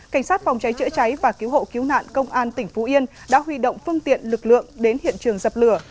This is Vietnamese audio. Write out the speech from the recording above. cảnh sát phòng cháy chữa cháy và cứu hộ cứu nạn công an tỉnh phú yên đã huy động phương tiện lực lượng đến hiện trường dập lửa